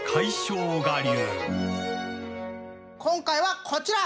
今回はこちら！